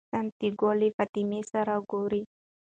سانتیاګو له فاطمې سره ګوري.